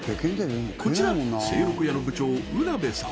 こちら清六家の部長卜部さん